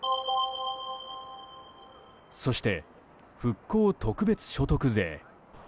そして、復興特別所得税。